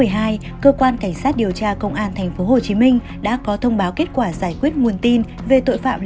hãy đăng ký kênh để ủng hộ kênh của chúng mình nhé